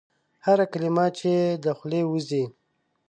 هره کلمه چي یې د خولې وزي ؟